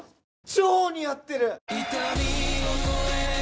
超似合ってる！